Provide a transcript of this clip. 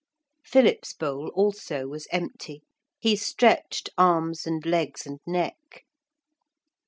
Philip's bowl also was empty. He stretched arms and legs and neck.